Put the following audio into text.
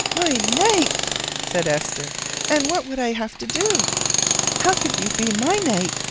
"My knight!" said Esther. "And what would I have to do? How could you be my knight?